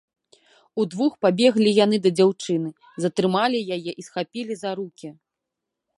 Удвух пабеглі яны да дзяўчыны, затрымалі яе і схапілі за рукі.